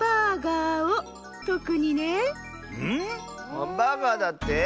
ハンバーガーだって？